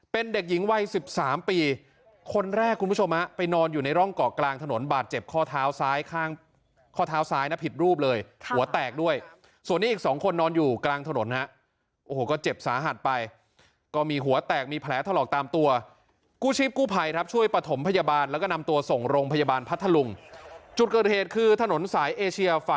เป็นเด็กหญิงวัย๑๓ปีคนแรกคุณผู้ชมฮะไปนอนอยู่ในร่องเกาะกลางถนนบาดเจ็บข้อเท้าซ้ายข้างข้อเท้าซ้ายนะผิดรูปเลยหัวแตกด้วยส่วนนี้อีกสองคนนอนอยู่กลางถนนฮะโอ้โหก็เจ็บสาหัสไปก็มีหัวแตกมีแผลถลอกตามตัวกู้ชีพกู้ภัยครับช่วยประถมพยาบาลแล้วก็นำตัวส่งโรงพยาบาลพัทธลุงจุดเกิดเหตุคือถนนสายเอเชียฝ